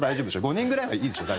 ５人ぐらいがいいでしょ？